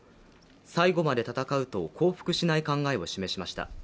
最後まで戦うと降伏しない考えを示しました。